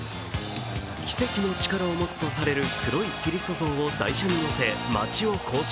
奇跡の力を持つとされる黒いキリスト像を台車に乗せ町を行進。